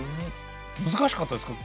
難しかったですか？